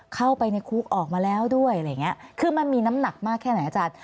เข้าไปในคุกออกมาแล้วด้วยอะไรอย่างเงี้ยคือมันมีน้ำหนักมากแค่ไหนอาจารย์